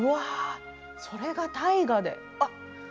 それが大河で。